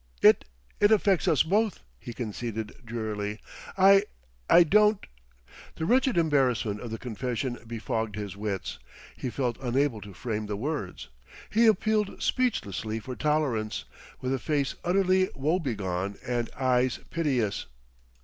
"It it affects us both," he conceded drearily. "I I don't " The wretched embarrassment of the confession befogged his wits; he felt unable to frame the words. He appealed speechlessly for tolerance, with a face utterly woebegone and eyes piteous.